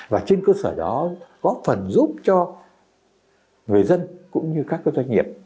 và trên cơ sở đó góp phần giúp cho người dân cũng như các doanh nghiệp